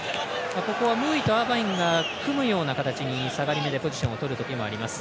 ここはムーイとアーバインが組むような形で下がりめでポジションを組むこともあります。